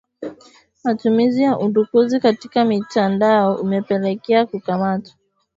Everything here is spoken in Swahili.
Matumizi ya udukuzi katika mitandao umepelekea kukamatwa